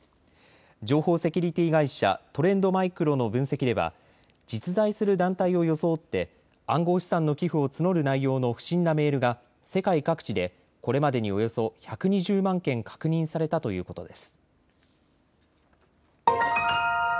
情報セキュリティー会社、トレンドマイクロの分析では実在する団体を装って暗号資産の寄付を募る内容の不審なメールが世界各地でこれまでにおよそ１２０万件確認されたということです。